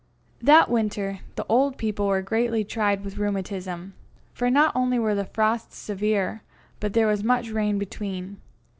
That winter the old people were greatly tried with rheumatism; for not only were the frosts severe, but there was much rain between.